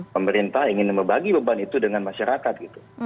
pemerintah ingin membagi beban itu dengan masyarakat gitu